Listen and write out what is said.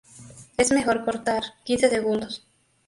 es mejor cortar. quince segundos.